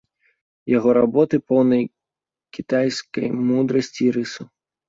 Яго работы поўныя кітайскай мудрасці і рысаў.